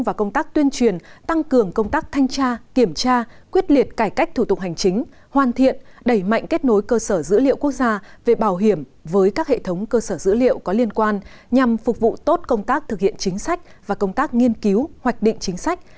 trước đây ông hồ văn liêm ở xã trà cang huyện nam trảm y tỉnh quảng nam không có thẻ bảo hiểm với các hệ thống cơ sở dữ liệu có liên quan nhằm phục vụ tốt công tác thực hiện chính sách và công tác nghiên cứu hoạch định chính sách